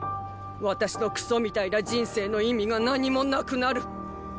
私のクソみたいな人生の意味が何も無くなるっ！